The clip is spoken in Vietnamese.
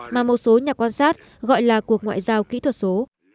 mà một số nhà quan sát gọi là cuộc ngoại giao kỹ thuật số